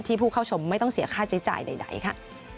ที่ผู้เข้าชมไม่ต้องเสียค่าใจใดค่ะ